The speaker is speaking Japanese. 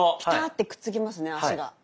ピタってくっつきますね足が。